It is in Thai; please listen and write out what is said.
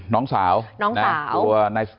น้องสาวน้องสาว